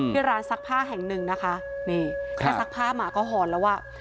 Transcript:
ที่ร้านซักผ้าแห่งหนึ่งถ้าซักผ้าหมาก็หอนแล้วว่า